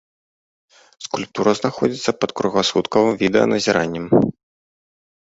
Скульптура знаходзіцца пад кругласуткавым відэаназіраннем.